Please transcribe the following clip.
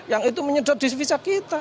yang itu menyedot di visa kita